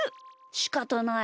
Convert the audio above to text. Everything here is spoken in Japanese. しかたない。